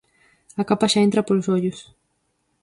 A capa xa entra polos ollos.